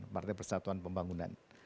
maksudnya persatuan pembangunan